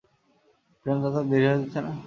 প্রেম, চাচার দেরি হয়ে যাচ্ছে না?